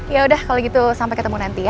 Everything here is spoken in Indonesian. yaudah kalau gitu sampai ketemu nanti ya